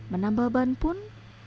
menambah bahan pun